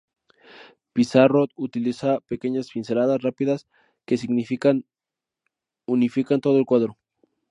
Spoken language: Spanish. Pissarro utiliza pequeñas pinceladas rápidas que unifican todo el cuadro.